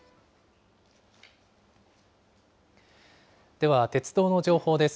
では鉄道の情報です。